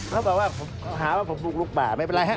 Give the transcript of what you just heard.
เขาบอกว่าหาว่าผมรูกลูกป่ะไม่เป็นไรหั๊ะ